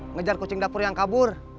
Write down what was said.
ngejar kucing dapur yang kabur